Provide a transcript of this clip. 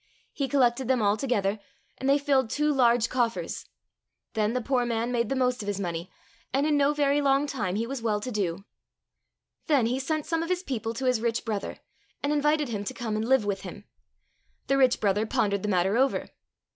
He collected them all together, and they filled two large coffers. Then the poor man made the most of his money, and in no very long time he was well to do. Then he sent some of his people to his rich brother, and invited him to come and live with him. The rich brother pondered the matter over.